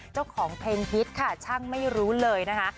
เจ้าของเพลงฮิตค่ะช่างไม่รู้เลยนะคะ